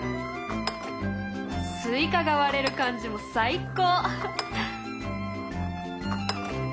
スイカが割れる感じも最高！